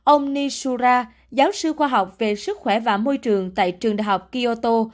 ông nishura giáo sư khoa học về sức khỏe và môi trường tại trường đại học kyoto